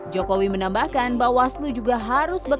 jokowi menambahkan bahwa selu juga harus berkembang